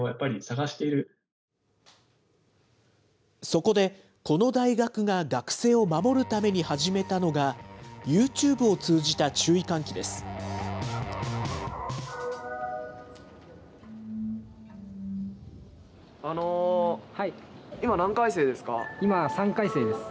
そこで、この大学が学生を守るために始めたのが、ユーチューブを通じた注意喚起です。